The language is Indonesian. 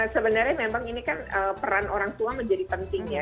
sebenarnya memang ini kan peran orang tua menjadi pentingnya